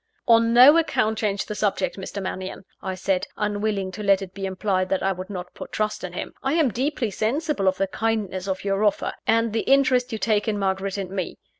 "On no account change the subject, Mr. Mannion," I said; unwilling to let it be implied that I would not put trust in him. "I am deeply sensible of the kindness of your offer, and the interest you take in Margaret and me.